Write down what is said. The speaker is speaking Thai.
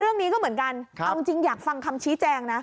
เรื่องนี้ก็เหมือนกันเอาจริงอยากฟังคำชี้แจงนะ